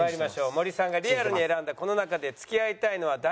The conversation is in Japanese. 森さんがリアルに選んだこの中で付き合いたいのは誰？